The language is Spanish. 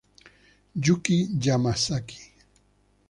Yuki Yamazaki